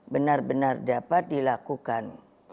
benar benar dapat dilakukan